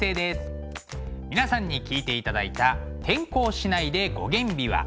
皆さんに聴いていただいた「転校しないで五絃琵琶」。